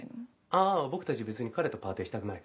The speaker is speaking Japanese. あぁ僕たち別に彼とパーティーしたくないから。